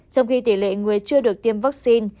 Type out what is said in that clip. trong khi tỷ lệ người chưa được tiêm vaccine